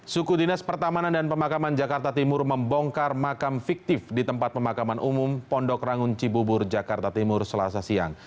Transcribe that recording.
suku dinas pertamanan dan pemakaman jakarta timur membongkar makam fiktif di tempat pemakaman umum pondok rangun cibubur jakarta timur selasa siang